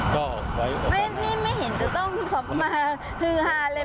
ก็นี่ไม่เห็นจะต้องมาฮือฮาเลย